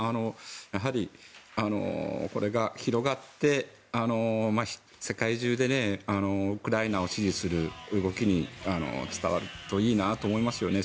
やはりこれが広がって世界中でウクライナを支持する動きにつながるといいなと思いますね。